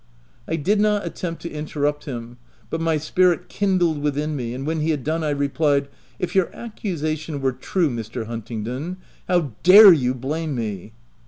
I did not attempt to interrupt him; but my spirit kindled within me, and when he had done, I replied —" If your accusation were true, Mr. Hun tingdon, how dare you blame me